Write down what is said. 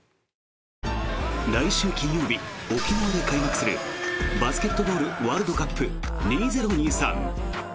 来週金曜日、沖縄で開幕するバスケットボールワールドカップ２０２３。